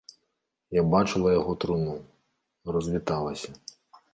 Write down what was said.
Я бачыла яго труну, развіталася.